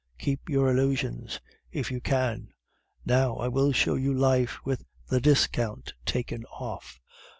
Keep your illusions if you can. Now I will show you life with the discount taken off.